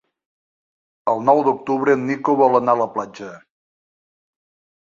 El nou d'octubre en Nico vol anar a la platja.